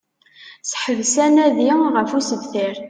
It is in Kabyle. Seḥbes anadi deg usebter